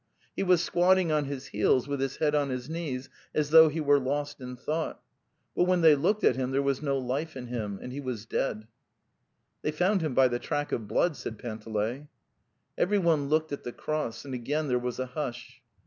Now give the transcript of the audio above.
He was squatting on his heels, with his head on his knees, as though he were lost in thought, but when they looked at him there was no life in him andi he was deadars ji 'They found him by the track of blood," said Panteley. Everyone looked at the cross, and again there was a hush.